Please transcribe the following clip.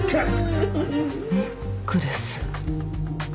ネックレス。